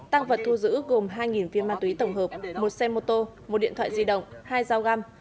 tăng vật thu giữ gồm hai viên ma túy tổng hợp một xe mô tô một điện thoại di động hai dao găm